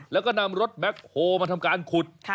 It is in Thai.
แล้วก็นำรถแบ็คโฮลมาทำการขุด